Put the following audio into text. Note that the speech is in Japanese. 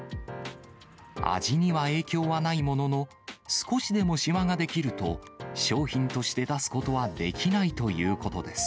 味には影響はないものの、少しでもしわが出来ると、商品として出すことはできないということです。